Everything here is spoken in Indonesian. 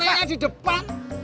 lu nanya di depan